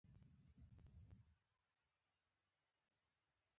راځی پښتو ژبه په موزیلا کي قوي کړو.